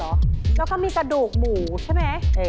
แล้วก็มีกระดูกหมูใช่ไหม